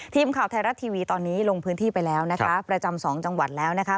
ทีมข่าวไทยรัฐทีวีตอนนี้ลงพื้นที่ไปแล้วนะคะประจำสองจังหวัดแล้วนะคะ